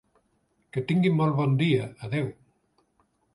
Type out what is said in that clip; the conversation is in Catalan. Que tingui molt bon dia, adeu.